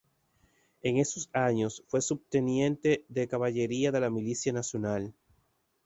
En esos años fue subteniente de caballería de la Milicia Nacional.